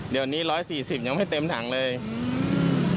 เดี๋ยวนี้ร้อยสี่สิบยังไม่เต็มถังเลยอืม